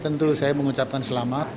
tentu saya mengucapkan selamat